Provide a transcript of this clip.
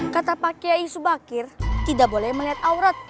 kata pak kiai subakir tidak boleh melihat aurat